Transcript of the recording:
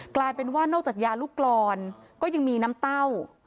กลายเป็นว่านอกจากยาลูกกรอนก็ยังมีน้ำเต้า